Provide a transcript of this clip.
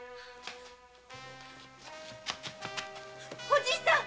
おじぃさん。